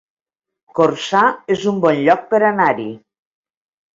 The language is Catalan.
Corçà es un bon lloc per anar-hi